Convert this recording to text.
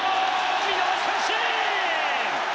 見逃し三振！